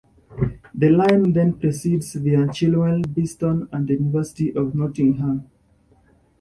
The line then proceeds via Chilwell, Beeston and the University of Nottingham.